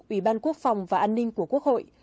ủy ban quốc phòng và an ninh của quốc hội